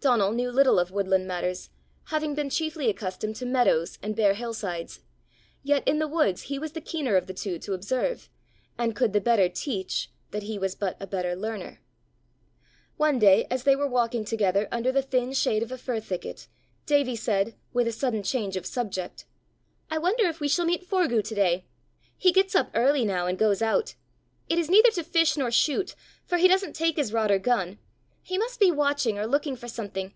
Donal knew little of woodland matters, having been chiefly accustomed to meadows and bare hill sides; yet in the woods he was the keener of the two to observe, and could the better teach that he was but a better learner. One day, as they were walking together under the thin shade of a fir thicket, Davie said, with a sudden change of subject "I wonder if we shall meet Forgue to day! he gets up early now, and goes out. It is neither to fish nor shoot, for he doesn't take his rod or gun; he must be watching or looking for something!